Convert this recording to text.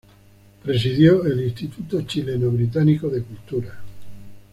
Presidió el Instituto Chileno-Británico de Cultura.